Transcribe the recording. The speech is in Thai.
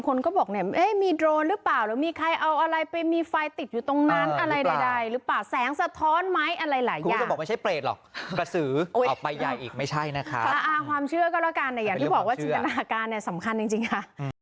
ความเชื่อก็แล้วกันแต่อย่างที่บอกว่าชีวิตการณาการสำคัญจริงค่ะ